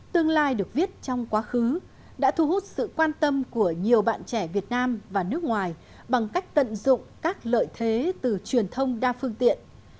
tương lai được viết trong quá khứ đã thu hút sự quan tâm của nhiều bạn trẻ việt nam và nước ngoài bằng cách tận dụng các lợi thế từ truyền thông đa phương tiện